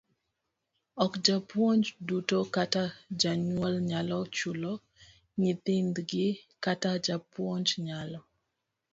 Ok jopuonj duto kata jonyuol nyalo chulo nyithindgi kata japuonj nyalo